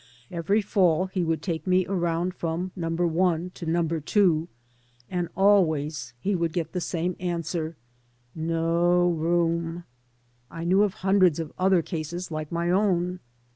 Every fall he would take me around from No. 1 to No. 2, and always he would get the same answer: "No room.'* I knew of hundreds of other cases like my own.